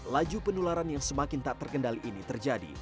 laju penularan yang semakin tak terkendali ini terjadi